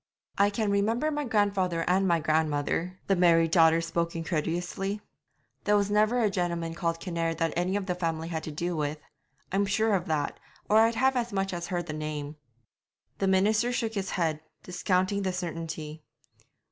'I can remember my grandfather and my grandmother the married daughter spoke incredulously 'there was never a gentleman called Kinnaird that any of the family had to do with. I'm sure of that, or I'd have as much as heard the name.' The minister shook his head, discounting the certainty.